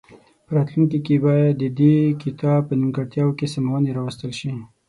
په راتلونکي کې باید د دې کتاب په نیمګړتیاوو کې سمونې راوستل شي.